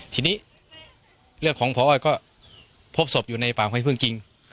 ทีนี้เรื่องของพอก็พบศพอยู่ในป่าไม้พึ่งจริง